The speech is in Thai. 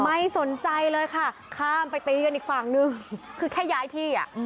ไม่สนใจเลยค่ะข้ามไปตีกันอีกฝั่งนึงคือแค่ย้ายที่อ่ะ